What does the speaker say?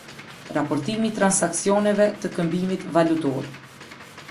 Raportimi i transaksioneve të këmbimit valutor.